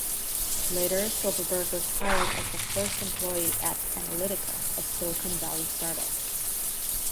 Later Silverberg was hired as the first employee at Analytica, a Silicon Valley startup.